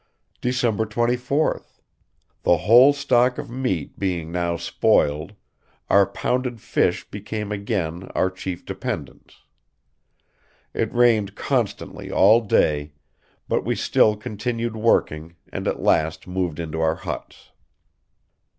"December 24th. The whole stock of meat being now spoiled, our pounded fish became again our chief dependence. It rained constantly all day, but we still continued working, and at last moved into our huts."